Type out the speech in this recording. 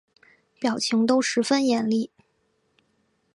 表情都十分严厉